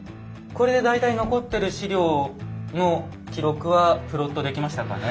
これで大体残ってる史料の記録はプロットできましたかね。